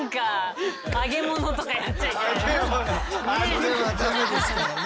それはダメですからね。